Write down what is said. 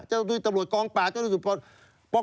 เจ้าหน้าที่ตำรวจกองปากเจ้าหน้าที่ตำรวจพ่อคอมอ